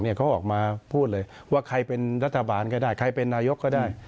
เขาออกมาพูดเลยว่าใครเป็นรัฐบาลก็ได้ใครเป็นนายกก็ได้